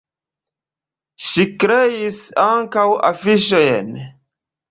Ŝi kreis ankaŭ afiŝojn.